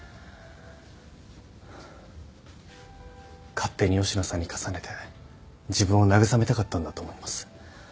勝手に吉野さんに重ねて自分を慰めたかったんだと思います。